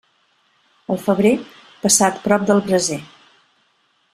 El febrer, passat prop del braser.